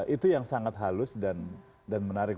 itu yang sangat halus dan menarik